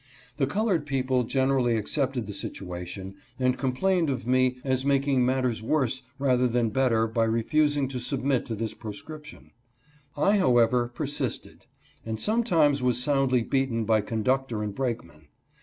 The colored people generally accepted the situation and complained of me as making matters worse rather than better by refusing to submit to this proscription. I, however, persisted, and sometimes was soundly beaten by conductor and brakeman.